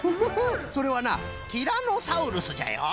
それはなティラノサウルスじゃよ。